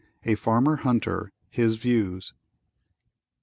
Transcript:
A FARMER HUNTER HIS VIEWS.